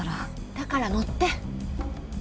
だから乗って。